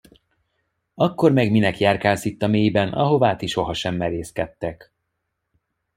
Akkor meg minek járkálsz itt a mélyben, ahová ti sohasem merészkedtek?